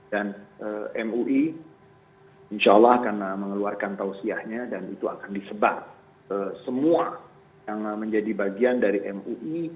dan mui insya allah akan mengeluarkan tausiahnya dan itu akan disebar semua yang menjadi bagian dari mui